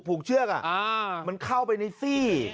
เชือกมันเข้าไปในซี่